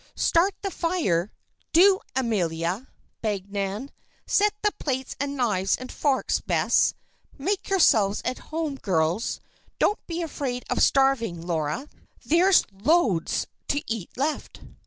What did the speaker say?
"Start the fire do, Amelia," begged Nan. "Set the plates and knives and forks, Bess. Make yourselves at home, girls. Don't be afraid of starving, Laura. There's loads to eat left."